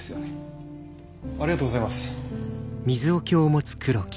ありがとうございます。